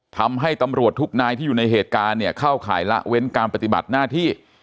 ทำให้ตำรวจทุกนายที่อยู่ในเหตุการณ์เนี่ยเข้าข่ายละเว้นการปฏิบัติหน้าที่